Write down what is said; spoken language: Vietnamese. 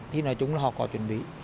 thì nói chung là họ có chuẩn bị